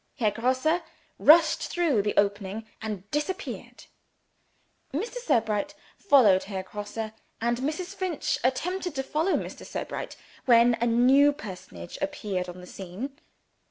Herr Grosse rushed through the opening, and disappeared. Mr. Sebright followed Herr Grosse; and Mrs. Finch attempted to follow Mr. Sebright when a new personage appeared on the scene.